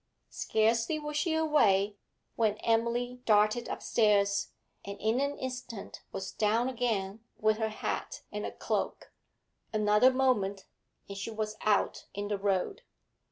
Scarcely was she away, when Emily darted upstairs, and in an instant was down again, with her hat and a cloak; another moment, and she was out in the road.